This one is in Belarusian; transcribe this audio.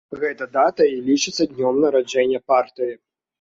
Гэта дата і лічыцца днём нараджэння партыі.